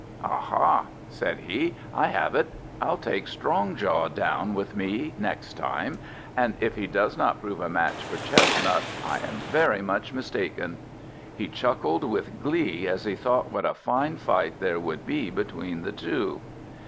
"Aha!" said he; "I have it! I'll take Strongjaw down with me next time, and if he does not prove a match for Chestnut I am very much mistaken." He chuckled with glee as he thought what a fine fight there would be between the two.